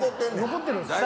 残ってるんですか。